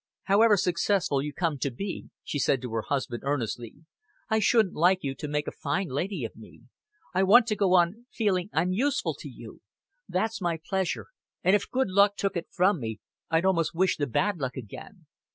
"However successful you come to be," she said to her husband, earnestly, "I shouldn't like you to make a fine lady of me. I want to go on feeling I'm useful to you. That's my pleasure and if good luck took it from me, I'd almost wish the bad luck back again."